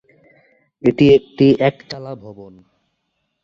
এটি একটি এক চালা ভবন।